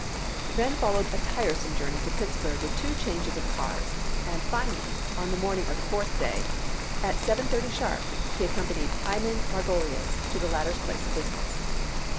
Then followed a tiresome journey to Pittsburgh with two changes of cars, and finally, on the morning of the fourth day, at seven thirty sharp, he accompanied Hyman Margolius to the latter's place of business.